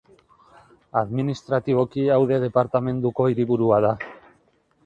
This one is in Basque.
Administratiboki Aude departamenduko hiriburua da.